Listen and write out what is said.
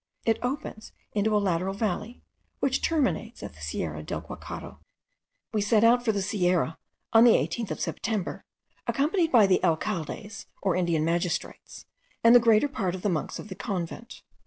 It opens into a lateral valley, which terminates at the Sierra del Guacharo. We set out for the Sierra on the 18th of September, accompanied by the alcaldes, or Indian magistrates, and the greater part of the monks of the convent.